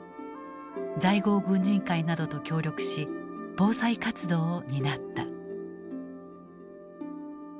在郷軍人会などと協力し防災活動を担った。